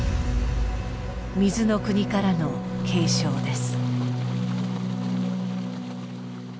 水の国からの警鐘です。